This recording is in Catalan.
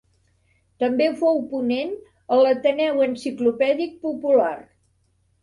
També fou ponent a l'Ateneu Enciclopèdic Popular.